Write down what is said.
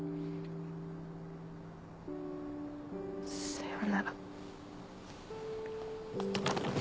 さようなら。